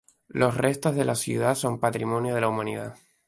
Los restos de la ciudad son Patrimonio de la Humanidad.